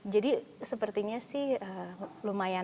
jadi sepertinya sih lumayan